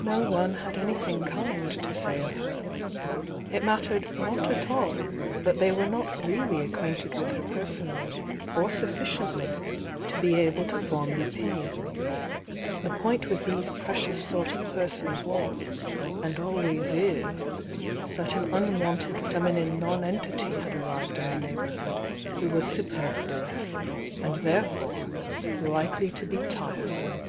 No one had anything kind to say of her. It mattered not at all that they were not really acquainted with her per sonally or sufficiently to be able to form an opinion, —«ie point with these precious sort of persons was and always IS, that an unwanted feminine nonen tity had arrived m the neighbourhood who was su perfluous, and therefore likely to be tiresome.